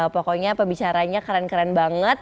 pokoknya pembicaranya keren keren banget